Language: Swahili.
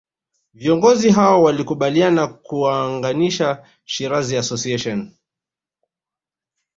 Viongozi hao walikubaliana kuunganisha Shirazi Association